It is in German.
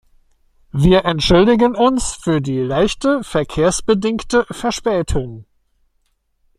Wir entschuldigen uns für die leichte verkehrsbedingte Verspätung.